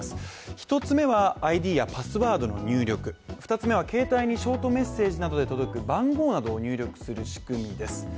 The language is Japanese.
１つ目はＩＤやパスワードの入力、２つ目は携帯にショートメッセージなどで届く番号などを入力する仕組みです。